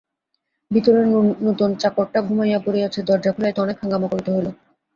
ভিতরে নূতন চাকরটা ঘুমাইয়া পড়িয়াছে–দরজা খোলাইতে অনেক হাঙ্গাম করিতে হইল।